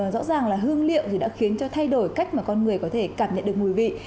rõ ràng là hương liệu thì đã khiến cho thay đổi cách mà con người có thể cảm nhận được mùi vị